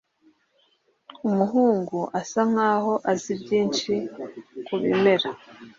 Umuhungu asa nkaho azi byinshi kubimera.